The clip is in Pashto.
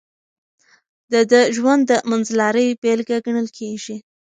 د ده ژوند د منځلارۍ بېلګه ګڼل کېږي.